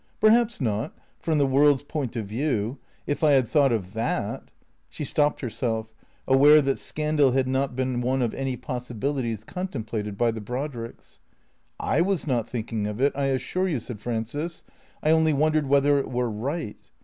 " Perhaps not, from the world's point of view. If I had thought of that " she stopped herself, aware that scandal had not been one of any possibilities contemplated by the Brod ricks. " I was not thinking of it, T assure you," said Frances. " I only wondered whether it were right."